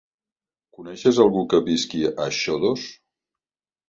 Coneixes algú que visqui a Xodos?